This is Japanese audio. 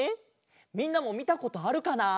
みんなもみたことあるかな？